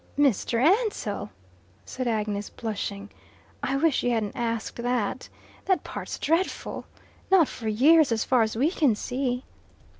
"Mr. Ansell," said Agnes, blushing, "I wish you hadn't asked that. That part's dreadful. Not for years, as far as we can see."